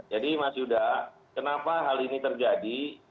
jadi mas yuda kenapa hal ini terjadi